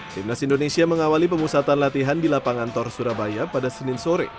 timnas indonesia mengawali pemusatan latihan di lapangan tor surabaya pada senin sore